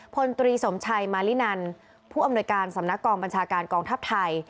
พลตรีสมชัยมารินันผู้อำนวยการสำนักกองบัญชาการกองทัพไทย